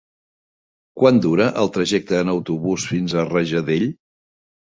Quant dura el trajecte en autobús fins a Rajadell?